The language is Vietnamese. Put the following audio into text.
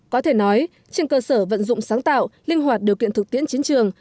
có thể nói trên cơ sở vận dụng sáng tạo linh hoạt điều kiện thực tiễn chiến trường